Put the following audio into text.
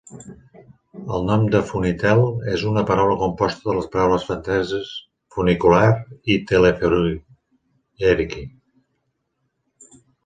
El nom de "funitel" és un paraula composta de les paraules franceses "funiculaire" i "teléhérique".